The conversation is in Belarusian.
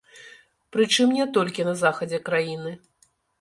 Прычым не толькі на захадзе краіны.